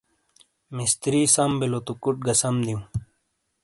مِستِری سَم بِیلو تو کُٹ گا سَم دِیوں ۔